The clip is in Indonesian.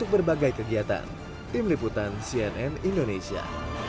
berbagai kegiatan tim liputan cnn indonesia